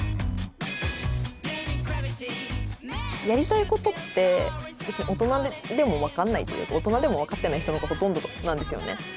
やりたいことって別に大人でも分かんないっていう大人でも分かってない人がほとんどなんですよね。